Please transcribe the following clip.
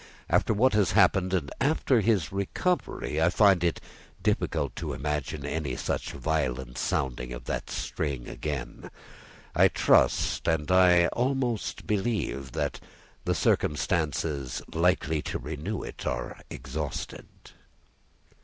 After what has happened, and after his recovery, I find it difficult to imagine any such violent sounding of that string again. I trust, and I almost believe, that the circumstances likely to renew it are exhausted."